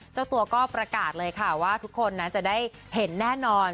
เจ้าตัวก็ประกาศเลยค่ะว่าทุกคนนั้นจะได้เห็นแน่นอน